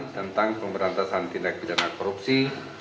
tentang pemberantasan tindak pidana korupsi